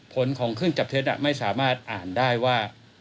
ผลของเครื่องจับเท็จไม่สามารถอ่านได้ว่า